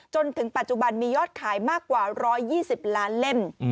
จนถึงปัจจุบันมียอดขายมากกว่า๑๒๐ล้านเล่ม